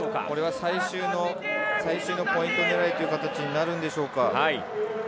これは最終のポイント狙いという形になるんでしょうか。